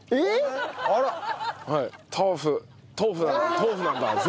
豆腐なんだぜ。